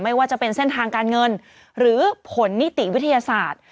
ไม่ว่าจะเป็นเส้นทางการเงินหรือผลนิติวิทยาศาสตร์